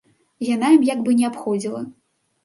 Яна ім як бы не абходзіла.